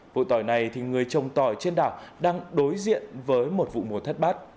vụ tỏi này người trồng tỏi trên đảo đang đối diện với một vụ mùa thất bát